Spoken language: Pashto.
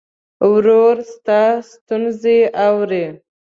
ورور ستا ستونزې اوري.